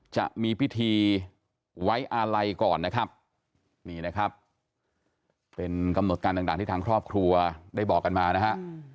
จะมีพิธีไว้อาลัยก่อนนะครับนี่นะครับเป็นกำหนดการต่างที่ทางครอบครัวได้บอกกันมานะฮะ